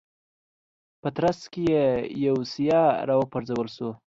په ترڅ کې یې بوسیا راوپرځول شو.